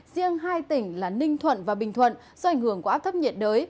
riêng hai tỉnh là ninh thuận và bình thuận do ảnh hưởng của áp thấp nhiệt đới